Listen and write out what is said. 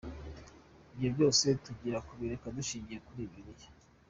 Ibyo byose tugiye kubireba dushingiye kuri Bibiliya.